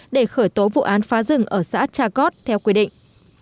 để khởi tố vụ án phá rừng ở xã trà cót theo quy định